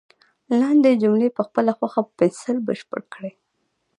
لاندې جملې په خپله خوښه په پنسل بشپړ کړئ.